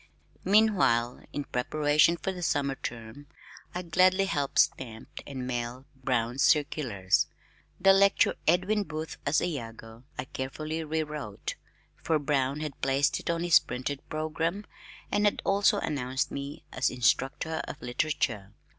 Meanwhile, in preparation for the summer term I gladly helped stamp and mail Brown's circulars. The lecture "Edwin Booth as Iago" I carefully re wrote for Brown had placed it on his printed programme and had also announced me as "Instructor in Literature."